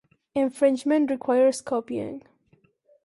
Infringement requires copying.